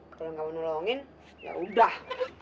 kalau nggak mau nolongin ya udah